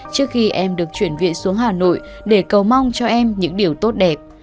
trước khi em được chuyển viện xuống hà nội để cầu mong cho em những điều tốt đẹp